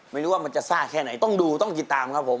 ไม่รู้ว่ามันจะซ่าแค่ไหนต้องดูต้องติดตามครับผม